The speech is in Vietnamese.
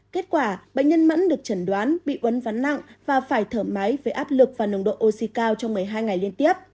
kết quả bệnh nhân mẫn được chẩn đoán bị uốn ván nặng và phải thở máy với áp lực và nồng độ oxy cao trong một mươi hai ngày liên tiếp